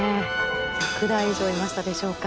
１００台以上いましたでしょうか。